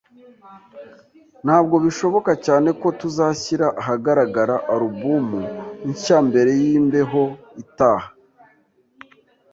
Ntabwo bishoboka cyane ko tuzashyira ahagaragara alubumu nshya mbere yimbeho itaha